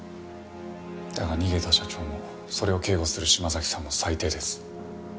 だが逃げた社長もそれを警護する島崎さんも最低です。